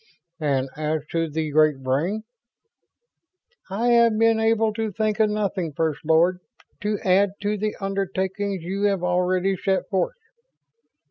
"And as to the Great Brain?" "I have been able to think of nothing, First Lord, to add to the undertakings you have already set forth."